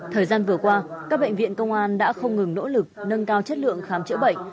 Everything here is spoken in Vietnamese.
thời gian vừa qua các bệnh viện công an đã không ngừng nỗ lực nâng cao chất lượng khám chữa bệnh